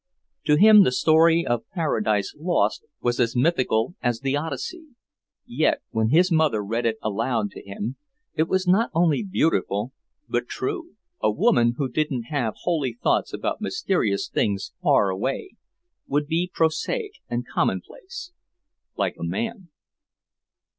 To him the story of "Paradise Lost" was as mythical as the "Odyssey"; yet when his mother read it aloud to him, it was not only beautiful but true. A woman who didn't have holy thoughts about mysterious things far away would be prosaic and commonplace, like a man.